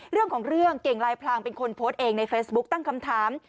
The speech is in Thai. เรื่องของเรื่องเก่งลายพลางเป็นคนโพสต์เองในเฟซบุ๊คตั้งคำถาม